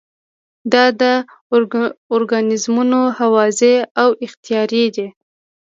دا ارګانیزمونه هوازی او اختیاري دي.